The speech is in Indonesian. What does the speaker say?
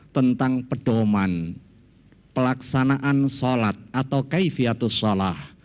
tentang pedoman pelaksanaan sholat atau kaifiatus solah